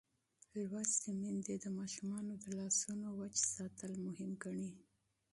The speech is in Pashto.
لوستې میندې د ماشومانو د لاسونو وچ ساتل مهم ګڼي.